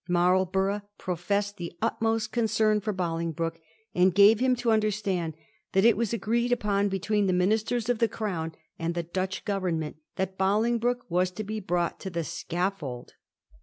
Marlborough professed the utmost concern for Bolingbroke, and gave him to understand that it was agreed upon between the Ministers of the Crown and the Dutch Grovernment that Bolingbroke was to be brought to the scaffold.